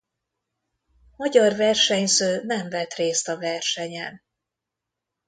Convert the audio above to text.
Magyar versenyző nem vett részt a versenyen.